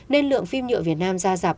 nên lượng phim nhựa việt nam ra giạp